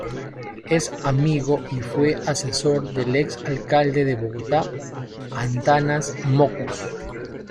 Es amigo y fue asesor del ex alcalde de Bogotá Antanas Mockus.